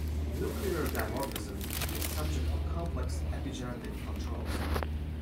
Nuclear dimorphism is subject to complex epigenetic controls.